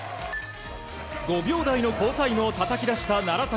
５秒台の好タイムをたたき出した楢崎。